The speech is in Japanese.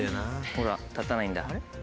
ほら立たないんだ。